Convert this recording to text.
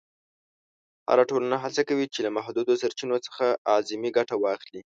هره ټولنه هڅه کوي چې له محدودو سرچینو څخه اعظمي ګټه واخلي.